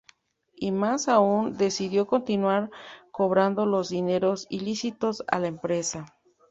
Y más aún, decidió continuar cobrando los dineros ilícitos a la empresa.